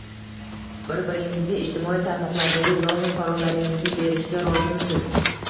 Bir biringizga ijtimoiy tarmoqlardagi login-parollaringizni berishga rozimisiz?...